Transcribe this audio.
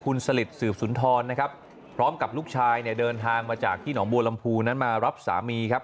คุณสลิดสืบสุนทรนะครับพร้อมกับลูกชายเนี่ยเดินทางมาจากที่หนองบัวลำพูนั้นมารับสามีครับ